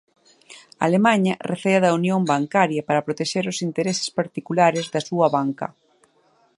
Alemaña recea da "unión bancaria" para protexer os intereses particulares da súa banca.